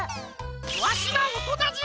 わしはおとなじゃ！